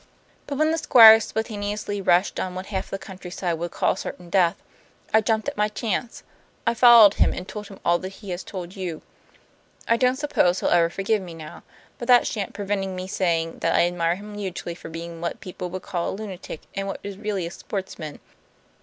But when the Squire spontaneously rushed on what half the countryside would call certain death, I jumped at my chance. I followed him, and told him all that he has told you. I don't suppose he'll ever forgive me now, but that shan't prevent me saying that I admire him hugely for being what people would call a lunatic and what is really a sportsman.